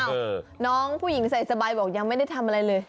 น้องผู้หญิงใส่สบายบอกยังไม่ได้ทำอะไรเลย